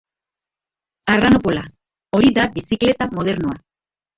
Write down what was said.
Arranopola, hori da bizikleta modernoa!